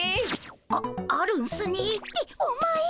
ああるんすねってお前。